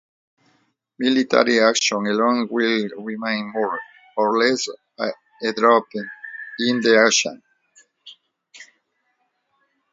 Military actions alone will remain more or less a drop in the ocean.